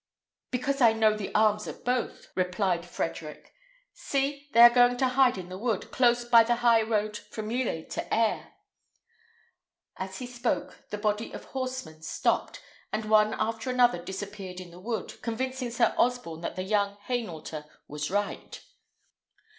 "Because I know the arms of both," replied Frederick, "See! they are going to hide in the wood, close by the high road from Lillers to Aire." As he spoke, the body of horsemen stopped, and one after another disappeared in the wood, convincing Sir Osborne that the young Hainaulter was right.